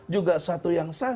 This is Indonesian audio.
juga satu yang salah